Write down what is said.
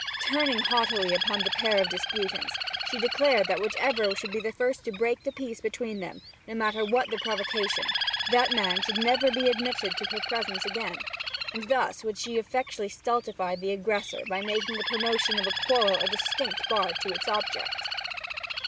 Turning haughtily upon the pair of disputants, she declared that whichever should be the first to break the peace between them, no matter what the provocation, that man should never be admitted to her presence again; and thus would she effectually stultify the aggressor by making the promotion of a quarrel a distinct bar to its object.